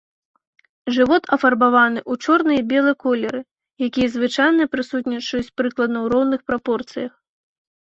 Жывот афарбаваны ў чорны і белы колеры, якія звычайна прысутнічаюць прыкладна ў роўных прапорцыях.